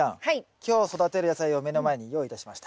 今日育てる野菜を目の前に用意いたしました。